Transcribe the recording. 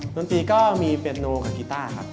นมมดีก็มีเฟชโนสกับกิตตาครับ